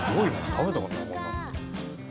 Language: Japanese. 食べた事ないこんなの。